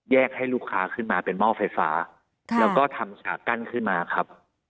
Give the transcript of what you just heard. ให้ลูกค้าขึ้นมาเป็นหม้อไฟฟ้าแล้วก็ทำฉากกั้นขึ้นมาครับ